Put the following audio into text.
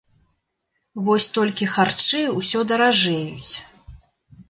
Вось толькі харчы ўсё даражэюць.